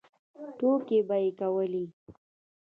ټوکې به یې کولې.